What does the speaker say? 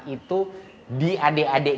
itu di adik adik